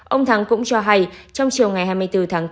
ông thắng cũng cho hay trong chiều ngày hai mươi bốn tháng bốn